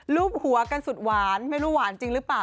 รูปหัวกันสุดหวานไม่รู้หวานจริงหรือเปล่า